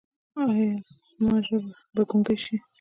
ایا زما ژبه به ګونګۍ شي؟